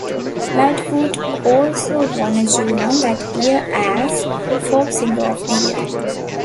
Lightfoot also won a Juno that year as "Folk Singer of the Year".